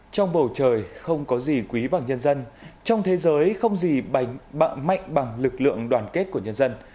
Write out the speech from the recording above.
trong bầu trời không có gì quý bằng nhân dân trong thế giới không gì bành bạm mạnh bằng lực lượng đoàn kết của nhân dân